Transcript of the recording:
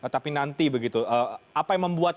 tapi nanti begitu apa yang membuat